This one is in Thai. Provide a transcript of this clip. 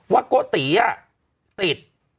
ว่าโกติอ่ะติด